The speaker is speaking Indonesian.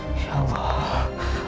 nomor yang hanya terkini